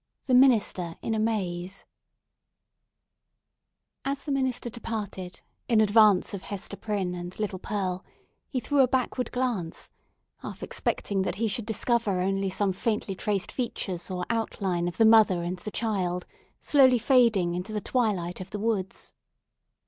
THE MINISTER IN A MAZE As the minister departed, in advance of Hester Prynne and little Pearl, he threw a backward glance, half expecting that he should discover only some faintly traced features or outline of the mother and the child, slowly fading into the twilight of the woods.